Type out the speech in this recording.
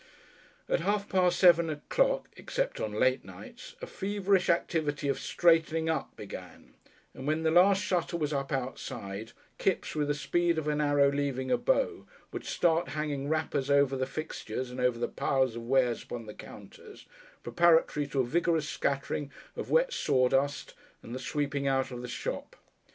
At half past seven o'clock except on late nights a feverish activity of "straightening up" began, and when the last shutter was up outside, Kipps with the speed of an arrow leaving a bow would start hanging wrappers over the fixtures and over the piles of wares upon the counters, preparatory to a vigorous scattering of wet sawdust and the sweeping out of the shop.